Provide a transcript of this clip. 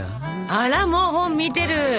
あらもう本見てる！